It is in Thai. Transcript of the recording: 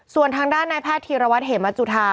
ส่วนทางด้านนายแพทย์ธีรวัตรเหมจุธา